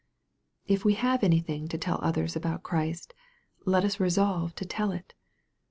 If we have anything to tell others about Christ, let us resolve to tell it.